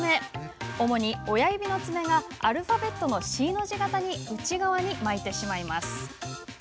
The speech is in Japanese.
主に親指の爪がアルファベットのＣの字型に内側に巻いてしまいます。